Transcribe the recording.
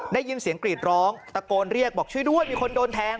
ได้ยินเสียงกรีดร้องตะโกนเรียกบอกช่วยด้วยมีคนโดนแทง